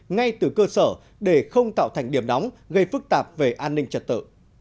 ngay từ cơ sở để không tạo thành điểm nóng gây phức tạp về an ninh trật tự